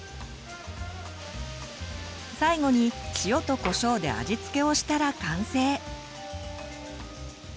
最後に塩とこしょうで味つけをしたら完成。